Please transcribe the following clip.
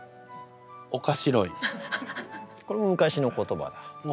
これも昔の言葉だ。